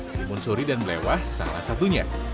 limun suri dan belewah salah satunya